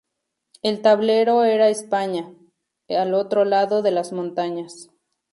El tablero era España, al otro lado de las montañas.